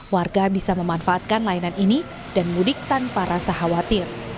warga bisa memanfaatkan layanan ini dan mudik tanpa rasa khawatir